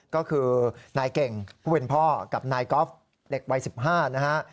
ก็คือนายเก่งผู้เป็นพ่อกับนายกอล์ฟเด็กวัย๑๕นะฮะ